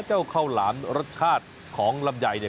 เจ้าข้าวหลามรสชาติของลำใหญ่